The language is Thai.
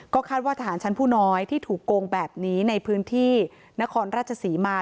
คาดว่าทหารชั้นผู้น้อยที่ถูกโกงแบบนี้ในพื้นที่นครราชศรีมา